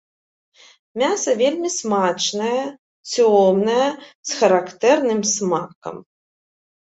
Мяса вельмі смачнае, цёмнае, з характэрным смакам.